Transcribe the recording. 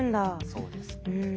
そうですね。